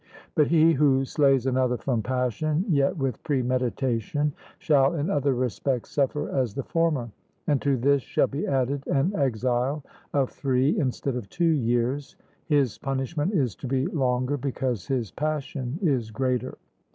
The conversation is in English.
But he who slays another from passion, yet with premeditation, shall in other respects suffer as the former; and to this shall be added an exile of three instead of two years his punishment is to be longer because his passion is greater.